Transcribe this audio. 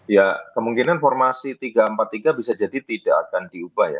ya kemungkinan formasi tiga empat tiga bisa jadi tidak akan diubah ya